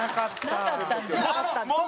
なかったんだ。